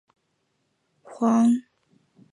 黄福为工部尚书。